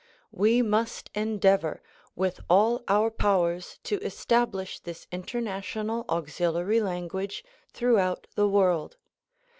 We must endeavor with all our powers to es tablish this international auxiliary language throughout the world.